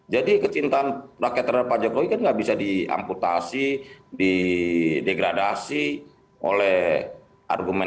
jadi kecintaan rakyat terhadap pak jokowi kan nggak bisa diamputasi di degradasi oleh argumen argumen